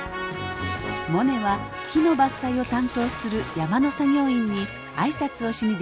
モネは木の伐採を担当する山の作業員に挨拶をしに出かけました。